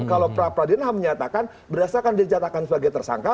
kalau prapradina menyatakan berdasarkan dijatakan sebagai tersangka